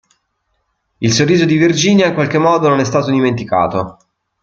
Il sorriso di Virginia, in qualche modo, non è stato dimenticato.